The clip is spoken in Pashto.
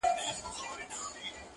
ایله پوه د خپل وزیر په مُدعا سو.!